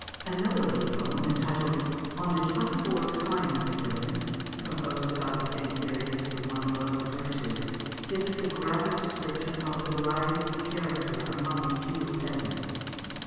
] Another little poem entitled, "On the Twenty four Kinds of Villains," composed about the same period as the one above referred to, gives us a graphic description of the varieties of character among the feudal peasants.